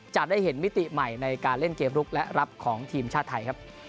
จะได้เห็นมิติใหม่ในการเล่นเกมลุกและรับของทีมชาติไทยครับ